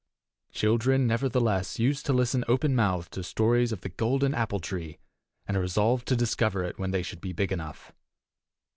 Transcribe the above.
Children, nevertheless, used to listen openmouthed to stories of the golden apple tree, and resolved to discover it when they should be big enough.